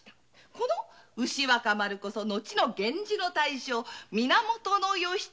この牛若丸こそ後の源氏の大将源義経でした」